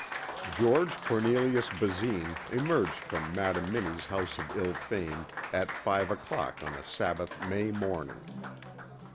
George Cornelius Basine emerged from Madam Minnie's house of ill fame at five o'clock on a Sabbath May morning.